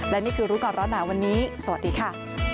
และนี่คือรู้ก่อนร้อนหนาวันนี้สวัสดีค่ะ